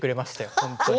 本当に。